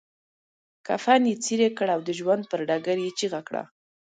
کفن يې څيري کړ او د ژوند پر ډګر يې چيغه کړه.